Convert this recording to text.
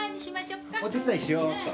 お手伝いしようっと。